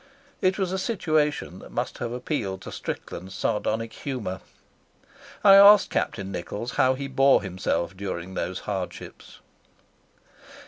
It was a situation that must have appealed to Strickland's sardonic humour. I asked Captain Nichols how he bore himself during these hardships.